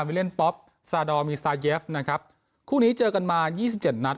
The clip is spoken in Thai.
ไปเล่นป๊อปซาดอลมีซาเยฟนะครับคู่นี้เจอกันมายี่สิบเจ็ดนัด